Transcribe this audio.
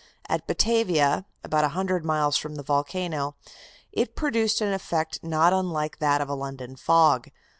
At Batavia, about a hundred miles from the volcano, it produced an effect not unlike that of a London fog.